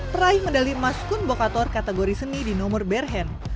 peraih medali emas kun bokator kategori seni di nomor berhend